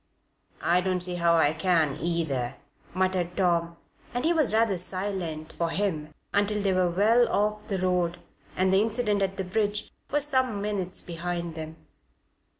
"I don't see how I can, either," muttered Tom, and he was rather silent for him until they were well off the road and the incident at the bridge was some minutes behind them.